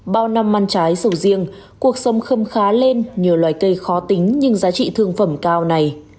bao năm ăn trái sầu riêng cuộc sống khâm khá lên nhờ loài cây khó tính nhưng giá trị thương phẩm cao này